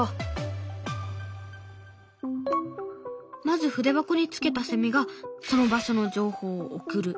まず筆箱につけたセミがその場所の情報を送る。